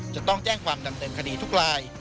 จะต้องแจ้งความดำเนินคดีทุกราย